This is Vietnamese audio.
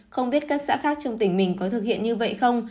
không biết các xã khác trong tỉnh mình có thực hiện như vậy không